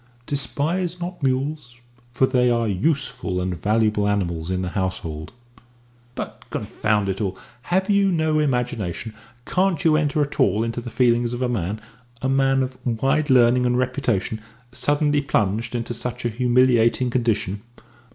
"Despise not mules, for they are useful and valuable animals in the household." "But, confound it all, have you no imagination? Can't you enter at all into the feelings of a man a man of wide learning and reputation suddenly plunged into such a humiliating condition?"